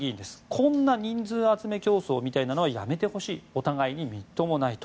こんな人数集め競争みたいなのはやめてほしいお互いにみっともないと。